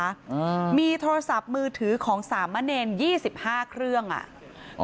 อ่ามีโทรศัพท์มือถือของสามะเนรยี่สิบห้าเครื่องอ่ะอ๋อ